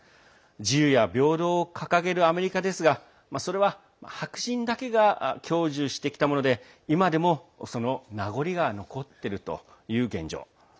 自由や平等を掲げるアメリカですがそれは白人だけが享受してきたもので今でも、その名残が残っているという現状。